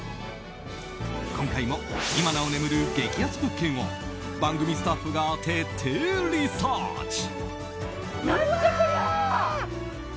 今回も、今なお眠る激安物件を番組スタッフが徹底リサーチ！